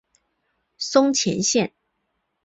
松前线。